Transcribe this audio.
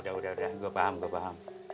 ya udah udah gue paham gue paham